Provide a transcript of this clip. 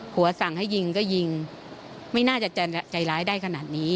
สั่งให้ยิงก็ยิงไม่น่าจะใจร้ายได้ขนาดนี้